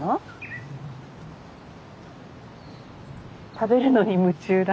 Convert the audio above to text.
食べるのに夢中だ。